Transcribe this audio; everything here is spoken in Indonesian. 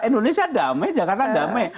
indonesia damai jakarta damai